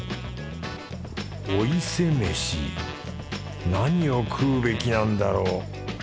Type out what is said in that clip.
お伊勢メシ何を食うべきなんだろう。